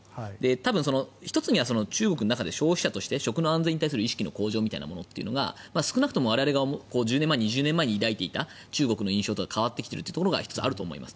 多分１つには中国の中で消費者として食の安全に対する意識の向上というものが少なくとも我々が１０年前、２０年前に抱いていた中国の印象とは変わってきているのが１つあると思います。